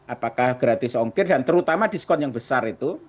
apakah gratis ongkir dan terutama diskon yang besar itu